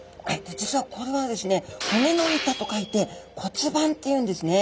実はこれはですね骨の板と書いて骨板っていうんですね。